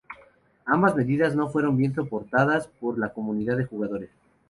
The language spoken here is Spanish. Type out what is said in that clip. Ambas medidas no fueron bien soportadas por la comunidad de jugadores.